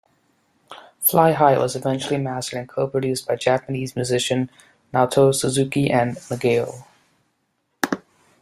"Fly High" was eventually mastered and co-produced by Japanese musician Naoto Suzuki and Nagao.